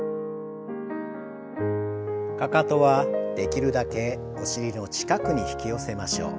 かかとはできるだけお尻の近くに引き寄せましょう。